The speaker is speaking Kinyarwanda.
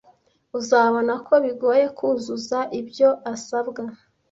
Uzabona ko bigoye kuzuza ibyo asabwa.